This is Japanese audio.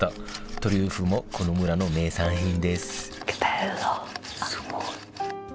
トリュフもこの村の名産品です